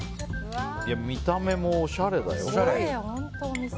見た目もおしゃれだよ。